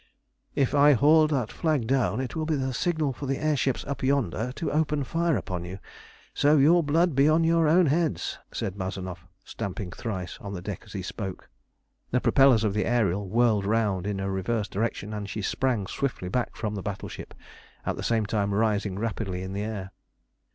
"If I haul that flag down it will be the signal for the air ships up yonder to open fire upon you, so your blood be on your own heads!" said Mazanoff, stamping thrice on the deck as he spoke. The propellers of the Ariel whirled round in a reverse direction, and she sprang swiftly back from the battleship, at the same time rising rapidly in the air.